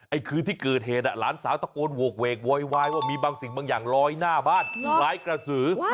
คืนที่เกิดเหตุหลานสาวตะโกนโหกเวกโวยวายว่ามีบางสิ่งบางอย่างลอยหน้าบ้านคล้ายกระสือ